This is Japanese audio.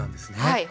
はい。